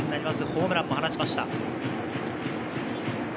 ホームランも放ちました。